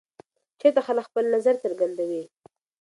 چېرته خلک خپل نظر څرګندوي؟